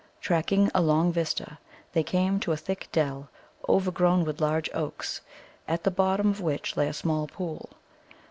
Tracking a long vista, they came to a thick dell, overgrown with large oaks, at the bottom of which lay a small pool.